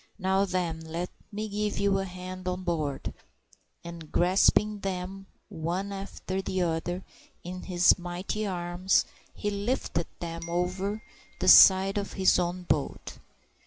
"Now, then, let me give you a hand on board;" and grasping them one after the other in his mighty arms, he lifted them over the side into his own boat.